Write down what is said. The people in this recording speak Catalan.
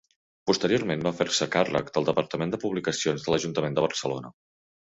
Posteriorment va fer-se càrrec del departament de publicacions de l'Ajuntament de Barcelona.